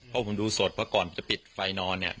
เพราะผมดูสดเพราะก่อนจะปิดไฟนอนเนี่ย